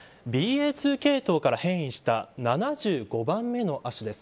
２系統から変異した７５番目の亜種です。